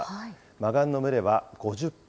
マガンの群れは５０羽。